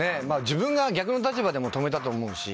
自分が逆の立場でも止めたと思うし。